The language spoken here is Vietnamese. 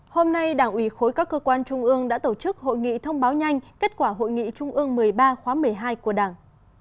hôm nay đảng ủy khối các cơ quan trung ương đã tổ chức hội nghị thông báo nhanh kết quả hội nghị trung ương một mươi ba khóa một mươi hai của đảng